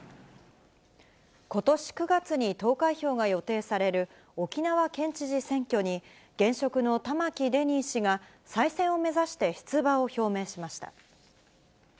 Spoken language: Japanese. ことし９月に投開票が予定される、沖縄県知事選挙に、現職の玉城デニー氏が、再選を目指して出馬を表明しました。